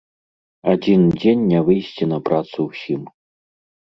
Адзін дзень не выйсці на працу ўсім.